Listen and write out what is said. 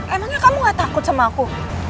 emangnya kamu gak takut sama aku